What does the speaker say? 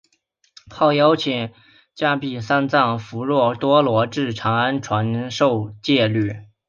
后邀请罽宾三藏弗若多罗至长安传授戒律。